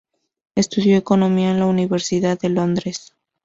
Estudió economía en la Universidad de Londres.